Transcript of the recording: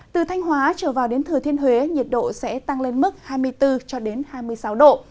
từ thanh hóa trở vào đến thừa thiên huế nhiệt độ sẽ tăng lên mức hai mươi bốn hai mươi sáu độ